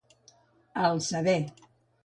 Al saber.